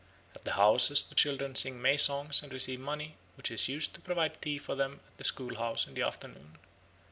At the houses the children sing May songs and receive money, which is used to provide tea for them at the schoolhouse in the afternoon.